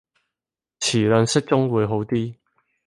詞量適中會好啲